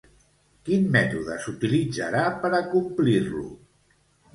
Quin mètode s'utilitzarà per a complir-lo?